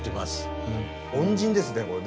恩人ですねこれね。